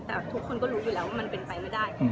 แต่ทุกคนก็รู้อยู่แล้วว่ามันเป็นไปไม่ได้